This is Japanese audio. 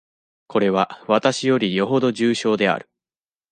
これは、私よりよほど重症である。